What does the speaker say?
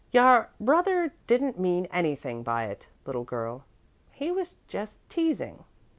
"Your brother didn't mean anything by it, little girl. He was just teasing."